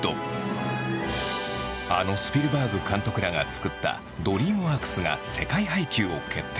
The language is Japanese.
あのスピルバーグ監督らが作ったドリームワークスが世界配給を決定。